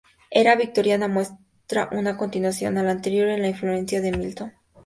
La era victoriana muestra una continuación a la anterior en la influencia de Milton.